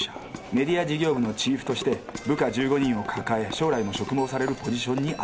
メディア事業部のチーフとして部下１５人を抱え将来も嘱望されるポジションにあった。